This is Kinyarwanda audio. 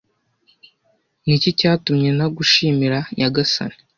Niki cyatuma ntagushimira nyagasani